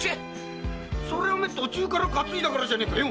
それは途中から担いだからじゃねえかよ！